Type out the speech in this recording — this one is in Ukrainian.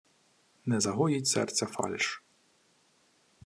Не загоїть серця фальш.